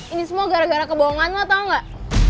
ini semua gara gara kebohongan lo tau gak